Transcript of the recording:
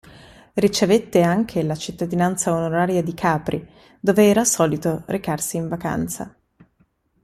Ricevette anche la cittadinanza onoraria di Capri, dove era solito recarsi in vacanza.